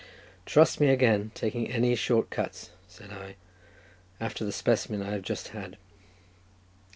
"Trust me again taking any short cuts," said I, "after the specimen I have just had."